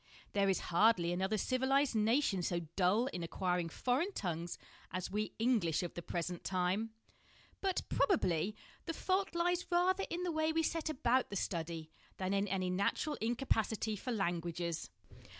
There is hardly another civilised nation so dull in acquiring foreign tongues as we English of the present time ; but, probably, the fault lies rather in the way we set about the study than in any natural incapacity for languages.